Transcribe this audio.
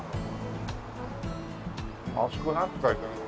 あそこなんて書いてある？